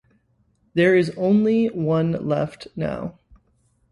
There is only one left now.